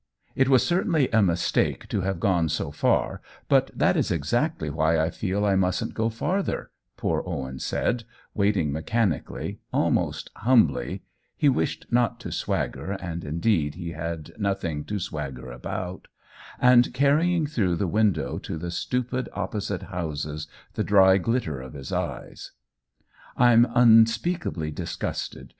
" It was certainly a mistake to have gone so far; but that is exactly why I feel I mustn't go farther," poor Owen said, wait ing mechanically, almost humbly (he wished not to swagger, and indeed he had nothing 148 OWEN WINGRAVE to swagger about), and carrying 'through the window to the stupid opposite houses the dry glitter of his eyes. "I'm unspeakably disgusted.